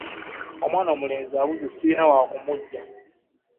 Omwana omulenzi abuze ssirina wa kumuggya.